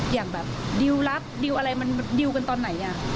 อย่างแบบดิวรักดิวอะไรมันดิวกันตอนไหน